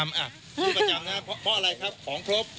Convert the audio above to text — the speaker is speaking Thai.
เพราะอะไรครับของครบ